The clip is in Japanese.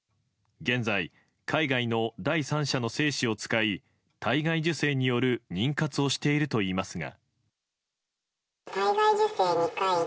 現在、海外の第三者の精子を使い体外受精による妊活をしているといいますが。